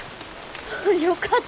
よかったよ。